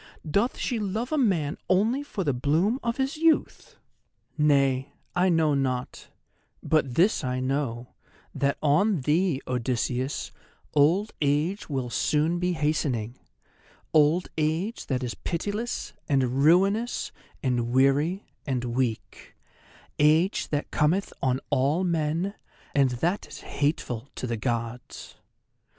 Doth she love a man only for the bloom of his youth? Nay, I know not; but this I know, that on thee, Odysseus, old age will soon be hastening—old age that is pitiless, and ruinous, and weary, and weak—age that cometh on all men, and that is hateful to the Gods.